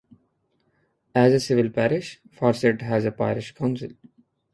As a civil parish, Farcet has a parish council.